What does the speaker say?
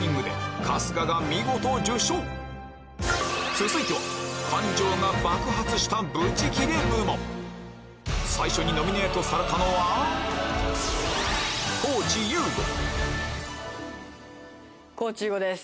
続いては感情が爆発した最初にノミネートされたのは地優吾です